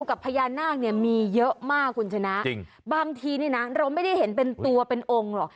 กับพญานาคเนี่ยมีเยอะมากคุณชนะจริงบางทีนี่นะเราไม่ได้เห็นเป็นตัวเป็นองค์หรอก